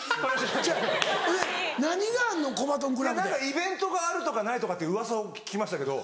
イベントがあるとかないとかってうわさを聞きましたけど。